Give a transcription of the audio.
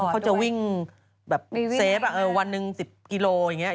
เขาจะวิ่งแบบเซฟวันหนึ่ง๑๐กิโลอย่างนี้